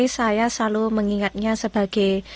saya selalu mengingatnya sebagai